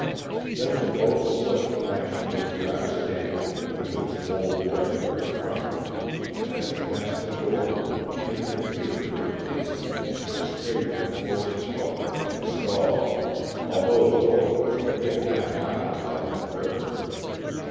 Then the boat slipped past George Rapp's stable, with its bold red brick front, and as he passed the door, Peter could hear for an instant the scrape of a horse's hoof in the stall, although the boat was a good half mile out in the river.